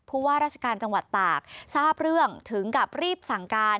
ว่าราชการจังหวัดตากทราบเรื่องถึงกับรีบสั่งการ